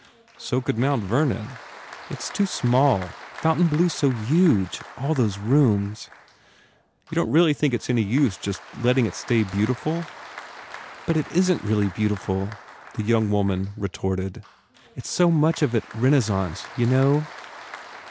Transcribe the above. u So could Mount Vernon." "It s too small. Fontainebleau s so huge. All those rooms." "You don t think that it s any use just letting it stay beautiful?" "But it isn t really beautiful," the young woman retorted, "It s so much of it Renaissance, you know?"